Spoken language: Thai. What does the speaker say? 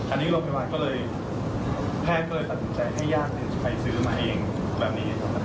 อันนี้โรงพยาบาลก็เลยแพทย์ก็เลยตัดสินใจให้ยากนึงไปซื้อมาเอง